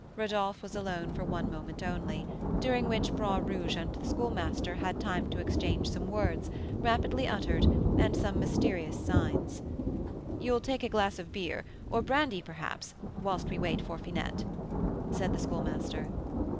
Rodolph was alone for one moment only, during which Bras Rouge and the Schoolmaster had time to exchange some words, rapidly uttered, and some mysterious signs. "You'll take a glass of beer, or brandy, perhaps, whilst we wait for Finette?" said the Schoolmaster.